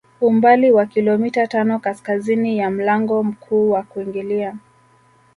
Umbali wa kilomita tano kaskazini ya mlango mkuu wa kuingilia